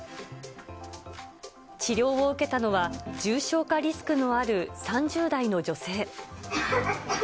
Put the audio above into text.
治療を受けたのは、重症化リスクのある３０代の女性。